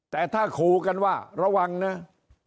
แต่ถ้าขู่กันว่าระวังนะ